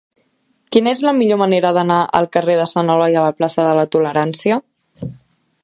Quina és la millor manera d'anar del carrer de Sant Eloi a la plaça de la Tolerància?